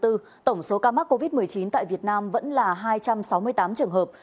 tổng số ca mắc covid một mươi chín tại việt nam vẫn là hai trăm sáu mươi tám trường hợp